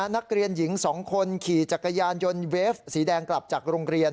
นักเรียนหญิง๒คนขี่จักรยานยนต์เวฟสีแดงกลับจากโรงเรียน